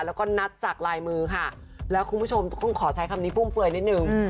แล้วก็นัดจากลายมือค่ะแล้วคุณผู้ชมต้องขอใช้คำนี้ฟุ่มเฟือยนิดนึง